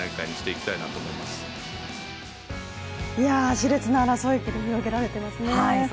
し烈な争い繰り広げられていますね。